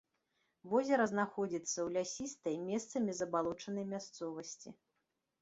Возера знаходзіцца ў лясістай, месцамі забалочанай мясцовасці.